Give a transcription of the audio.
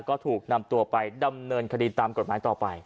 ก็ถูกนำตัวไปดำเนินคดีตามกฎหมายต่อไป